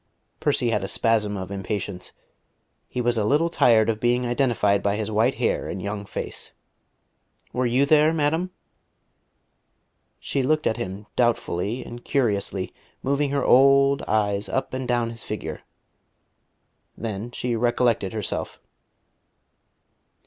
Percy had a spasm of impatience: he was a little tired of being identified by his white hair and young face. "Were you there, madam?" She looked at him doubtfully and curiously, moving her old, eyes up and down his figure. Then she recollected herself.